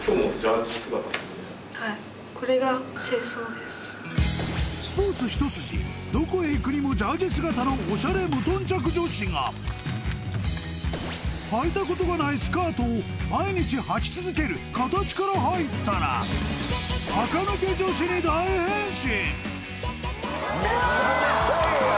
はいスポーツ一筋どこへ行くにもジャージ姿のおしゃれ無頓着女子がはいたことがないスカートを毎日はき続ける形から入ったら垢抜け女子に大変身！